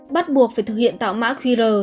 bắt buộc phải thực hiện tạo mã qr